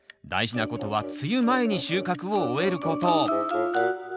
大事なことは梅雨前に収穫を終えること。